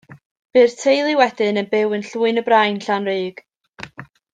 Bu'r teulu wedyn yn byw yn Llwyn-y-Brain, Llanrug.